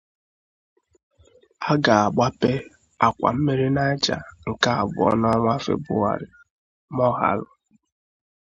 A Ga-Agbape Àkwà Mmiri Niger Nke Abụọ n'Ọnwa Febụwarị —Moghalu